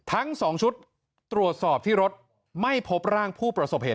ทั้ง๒ชุดตรวจสอบที่รถไม่พบร่างผู้ประสบเหตุ